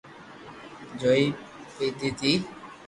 چوئي پيدي تي